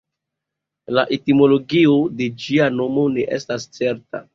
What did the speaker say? La etimologio de ĝia nomo ne estas certa.